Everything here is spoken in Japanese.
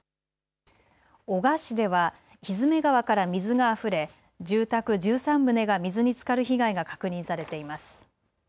男鹿市では比詰川から水があふれ住宅１３棟が水につかる被害が確認されています。